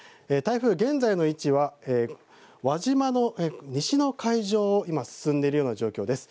現在の位置は輪島の西の海上を進んでいるような状況です。